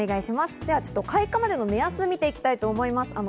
開花までの目安を見ていきたいと思います。